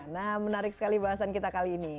nah menarik sekali bahasan kita kali ini